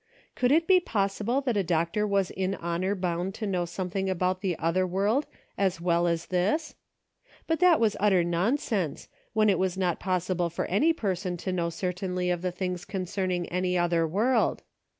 Could it be possible that a doctor was in honor bound to know something about the other world as well as this } But what utter nonsense, when it was not possible for any person to know certainly of the things concerning any other world